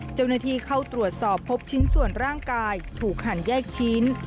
เจ้าหน้าที่เข้าตรวจสอบพบชิ้นส่วนร่างกายถูกหันแยกชิ้น